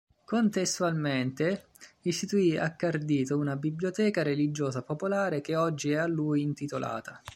Contestualmente, istituì a Cardito una biblioteca religiosa popolare che oggi è a lui intitolata.